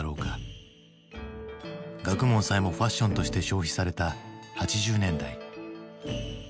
学問さえもファッションとして消費された８０年代。